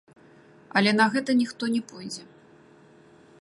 Але на гэта ніхто не пойдзе.